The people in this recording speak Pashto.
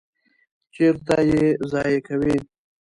چیرته ییضایع کوی؟